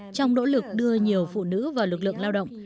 trong nỗ lực đưa nhiều phụ nữ vào lực lượng lao động